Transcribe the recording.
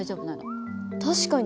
確かに。